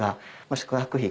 宿泊費